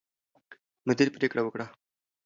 مدیر پرېکړه وکړه.